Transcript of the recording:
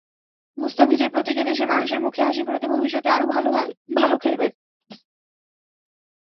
মুস্তাফিজের প্রতিজ্ঞা, দেশের মানুষের মুখে হাসি ফোটাতে ভবিষ্যতে আরও ভালো খেলবেন।